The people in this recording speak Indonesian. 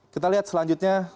kita lihat selanjutnya